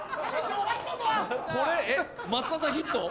これ、松田さん、ヒット？